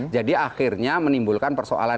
jadi akhirnya menimbulkan persoalan